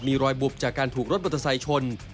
มีรอยบุบจากการถูกรถมอเตอร์ไซค์ชน